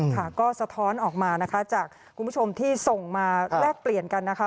ค่ะก็สะท้อนออกมานะคะจากคุณผู้ชมที่ส่งมาแลกเปลี่ยนกันนะคะ